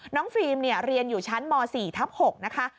ฟิล์มเรียนอยู่ชั้นม๔ทับ๖นะคะ